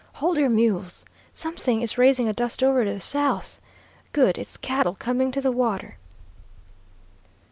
Hold your mules! Something is raising a dust over to the south. Good! It's cattle coming to the water."